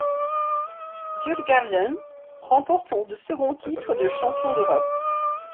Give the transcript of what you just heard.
Djurgårdens remporte son second titre de champion d'Europe.